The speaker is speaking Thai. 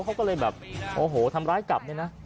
เขาก็เลยแบบโอ้โหทำร้ายกลับเนี่ยนะ